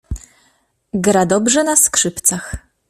"Gra dobrze na skrzypcach."